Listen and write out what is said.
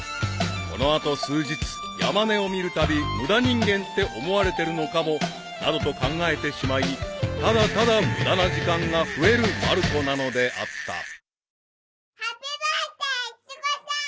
［この後数日山根を見るたび「無駄人間って思われてるのかも」などと考えてしまいただただ無駄な時間が増えるまる子なのであった］